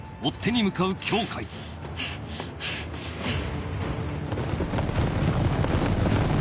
ハァハァハァ。